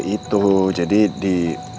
itu jadi di